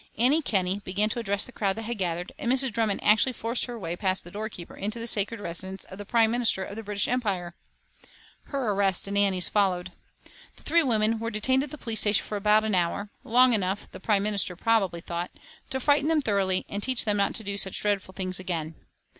Annie Kenney began to address the crowd that had gathered, and Mrs. Drummond actually forced her way past the doorkeeper into the sacred residence of the Prime Minister of the British Empire! Her arrest and Annie's followed. The three women were detained at the police station for about an hour, long enough, the Prime Minister probably thought, to frighten them thoroughly and teach them not to do such dreadful things again.